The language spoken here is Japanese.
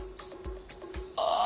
ああ！